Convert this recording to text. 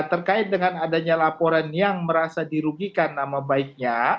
terkait dengan adanya laporan yang merasa dirugikan nama baiknya